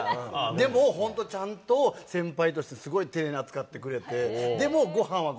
でも、ちゃんと先輩としてすごい丁寧に扱ってくれて。